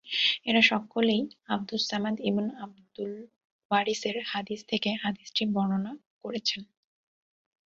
এরা সকলেই আবদুস সামাদ ইবন আবদুল ওয়ারিছ-এর হাদীস থেকে হাদীসটি বর্ণনা করেছেন।